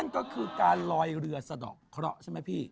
ก็คือการลอยเรือสะดอกเคราะห์ใช่ไหมพี่